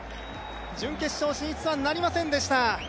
準決勝進出はなりませんでした。